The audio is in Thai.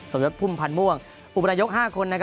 สมยดพุ่มพันธ์ม่วงอุบรายยก๕คน